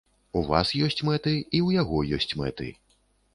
У вас ёсць мэты, і ў яго ёсць мэты.